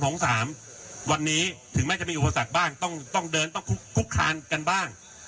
วันนี้ถึงแม้จะมีอุปสรรคบ้างต้องเดินต้องคุกคานกันบ้าง